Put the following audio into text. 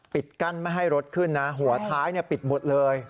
กั้นไม่ให้รถขึ้นนะหัวท้ายปิดหมดเลย